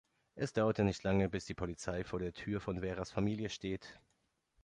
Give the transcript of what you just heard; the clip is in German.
Es dauert nicht lange bis die Polizei vor der Tür von Veras Familie steht.